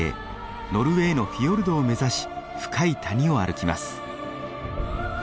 ノルウェーのフィヨルドを目指し深い谷を歩きます。